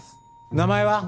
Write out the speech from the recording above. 名前は？